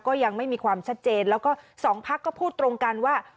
ก็ยังไม่มีความชัดเจนแล้วก็สองพักก็พูดตรงกันว่า